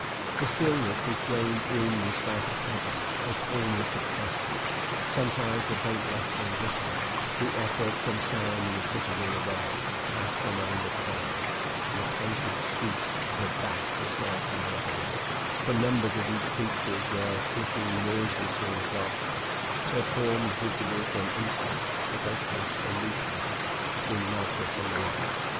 The stillness which reigned in this vast cavern was almost oppressive. Sometimes a faint rustling whisper, the echo of some sound in the citadel above, passed among the columns; and the plaintive squeak of a bat was heard now and then, for numbers of these creatures were flitting noiselessly in the darkness, their forms visible for an instant as they passed and repassed between Malchus and the light.